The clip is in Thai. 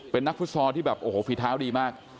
เป็นนักฟุตซอลที่แบบโอ้โหฝีเท้าดีมาก